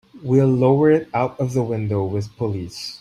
We'll lower it out of the window with pulleys.